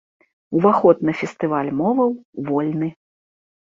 Уваход на фестываль моваў вольны.